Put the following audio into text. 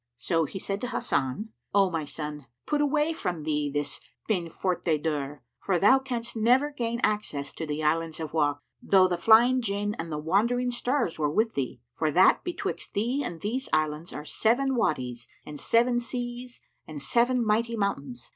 So he said to Hasan, "O my son, put away from thee this peine forte et dure; for thou canst never gain access to the Islands of Wak, though the Flying Jinn and the Wandering Stars were with thee; for that betwixt thee and these islands are seven Wadys and seven seas and seven mighty mountains.